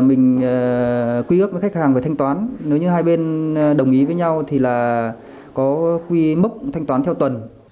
mình quy ước với khách hàng về thanh toán nếu như hai bên đồng ý với nhau thì là có quy mốc thanh toán theo tuần